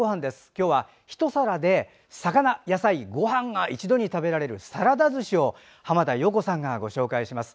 今日はひと皿で魚、野菜、ごはんが一度に食べられるサラダずしを浜田陽子さんがご紹介します。